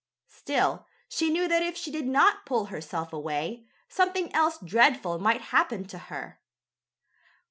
Still she knew that if she did not pull herself away, something else dreadful might happen to her.